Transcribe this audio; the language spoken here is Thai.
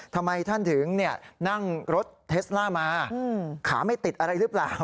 ทำไมท่านถึงนั่งรถเทสล่ามาขาไม่ติดอะไรหรือเปล่า